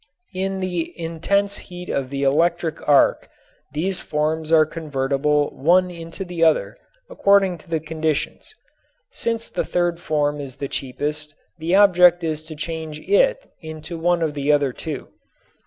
In the intense heat of the electric arc these forms are convertible one into the other according to the conditions. Since the third form is the cheapest the object is to change it into one of the other two.